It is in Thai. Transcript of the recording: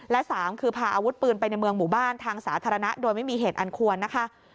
และ๓คือพาอาวุธปืนไปในเมืองหมู่บ้านทางสาธารณะโดยไม่มีเหตุอันควรนะคะ